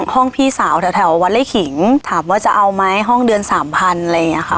พี่สาวแถววัดไล่ขิงถามว่าจะเอาไหมห้องเดือนสามพันอะไรอย่างนี้ค่ะ